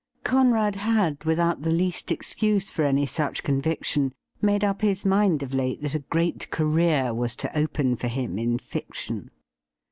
CoNRAD had, without the least excuse for any such con viction, made up his mind of late that a great career was to open for him in fiction.